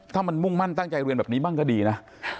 ถ้ามันมุ่งมั่นตั้งใจเรียนแบบนี้บ้างก็ดีนะ